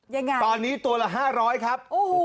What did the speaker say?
ยังไงตอนนี้โตละ๕๐๐ครับ